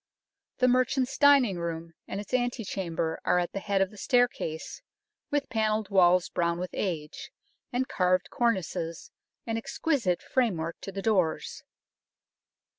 The merchant's dining room and its ante chamber are at the head of the staircase with panelled walls brown with age, and carved cornices, and exquisite framework to the doors.